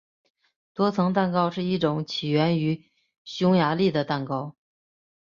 多层蛋糕是一种起源于匈牙利的蛋糕。